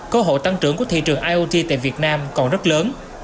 cơ hội tăng trưởng của thị trường iot tại việt nam còn rất lớn